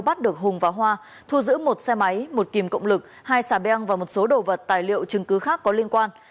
bắt được hùng và hoa thu giữ một xe máy một kìm cộng lực hai xà beng và một số đồ vật tài liệu chứng cứ khác có liên quan